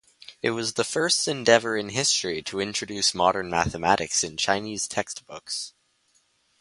It was the first endeavor in history to introduce modern mathematics in Chinese textbooks.